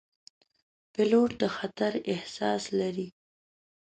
پیلوټ د خطر احساس لري.